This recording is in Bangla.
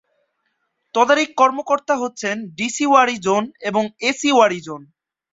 তদারকি কর্মকর্তা হচ্ছেন ডিসি ওয়ারী জোন এবং এসি ওয়ারী জোন।